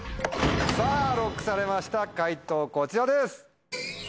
さぁＬＯＣＫされました解答こちらです。